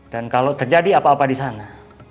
dan kalau terjadi apa apa disana